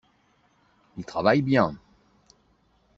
Il travaille bien.